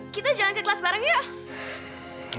kita jalan ke kelas bareng yuk